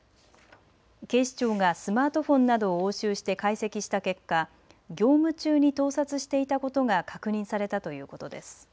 警視庁がスマートフォンなどを押収して解析した結果、業務中に盗撮していたことが確認されたということです。